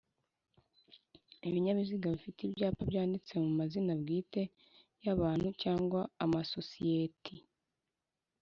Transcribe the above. ibinyabiziga bifite ibyapa byanditse mu mazina bwite y’abantu cyangwa amasosiyeti.